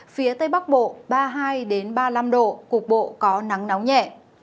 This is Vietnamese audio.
phía tây bắc bộ ba mươi hai ba mươi năm độ cục bộ có nắng nóng nhẹ